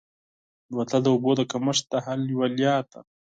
بوتل د اوبو د کمښت د حل یوه لاره ده.